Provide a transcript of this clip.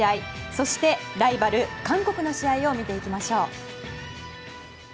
そして、ライバル韓国の試合を見ていきましょう。